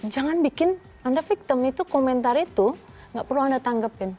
jangan bikin anda victem itu komentar itu gak perlu anda tanggapin